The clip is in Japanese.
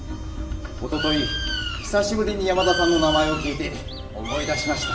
一昨日久しぶりに山田さんの名前を聞いて思い出しました。